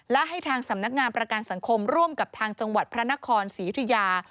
และให้ทางสำนักงานประกันสังคมร่วมกับทางจังหวัดพระนครศรียุธยา